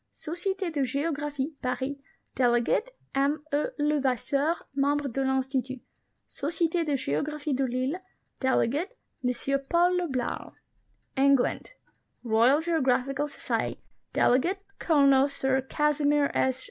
Societe de Geographic (Paris) ; delegate, M E. Levasseur, Mem bre de I'lnstitut. Societe de Geographic de Lille ; delegate, M Paul le Blau. ENGLAND. Royal Geographical Society ; delegate, Colonel Sir Casimir S.